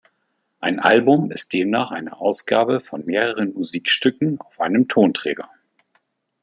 Ein Album ist demnach eine Ausgabe von mehreren Musikstücken auf einem Tonträger.